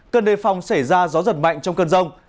cần đề phòng xảy ra gió giật mạnh trong cơn rông